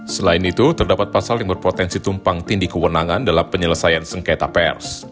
selain itu terdapat pasal yang berpotensi tumpang tindi kewenangan dalam penyelesaian sengketa pers